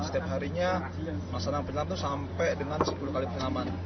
setiap harinya masangan penyelam itu sampai dengan sepuluh kali penyelaman